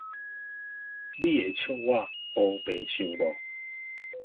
你會笑我烏白想無